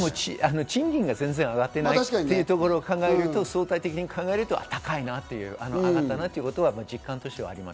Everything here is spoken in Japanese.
賃金が全然上がっていないというところを考えると、相対的に考えると高いなという、上がったなということは実感としてあります。